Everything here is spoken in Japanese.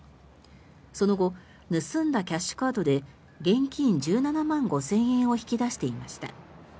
その後盗んだキャッシュカードで現金１７万５０００円を引き出していました。